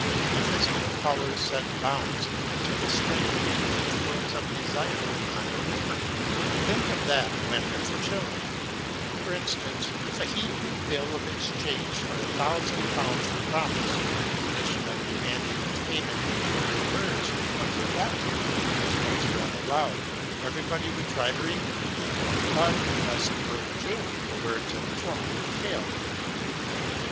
And the physical powers set bounds even to the strengthening influence of desire on the memory, ŌĆö think of that when with children, ŌĆö for instance, if a Hebrew bill of exchange for a thousand pounds were promised, on condition of demanding its pay ment in the very words of the document, as once read aloud, everybody would try to remember them, but, unless he were a Jew, the words and the form would fail him.